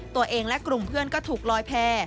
ตัวเองและกลุ่มเพื่อนก็ถูกลอยแพร่